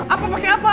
apa pake apa